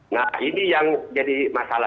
nah ini yang jadi masalah